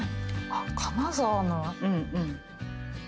金沢の。